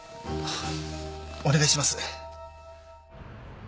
お願いします。